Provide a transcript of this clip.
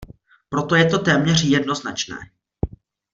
Proto je to téměř jednoznačné.